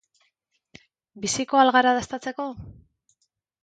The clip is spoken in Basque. Biziko al gara dastatzeko?